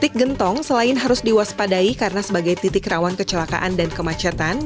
titik gentong selain harus diwaspadai karena sebagai titik rawan kecelakaan dan kemacetan